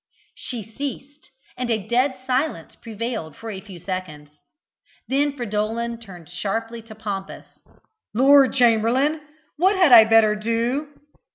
She ceased; and a dead silence prevailed for a few seconds. Then Fridolin turned sharply to Pompous. "Lord chamberlain, what had I better do?"